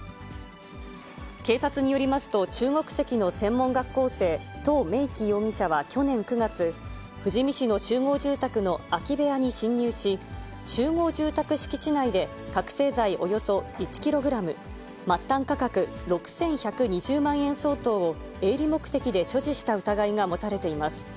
警察によりますと、中国籍の専門学校生、とうめいき容疑者は去年９月、富士見市の集合住宅の空き部屋に侵入し、集合住宅敷地内で、覚醒剤およそ１キログラム、末端価格６１２０万円相当を営利目的で所持した疑いが持たれています。